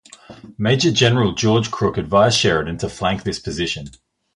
Major General George Crook advised Sheridan to flank this position.